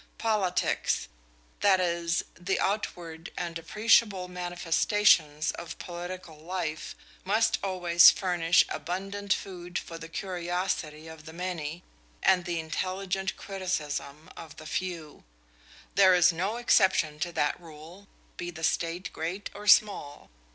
Politics that is, the outward and appreciable manifestations of political life must always furnish abundant food for the curiosity of the many and the intelligent criticism of the few. There is no exception to that rule, be the state great or small.